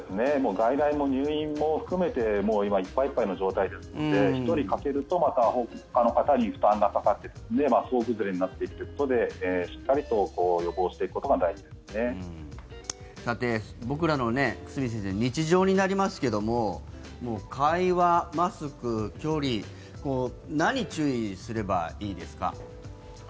外来も入院も含めていっぱいいっぱいですので１人欠けるとほかの方に負担がかかるので総崩れになっていくということでしっかり予防していくことが久住先生、僕らの日常になりますが会話、マスク、距離何を注意すればいいですか。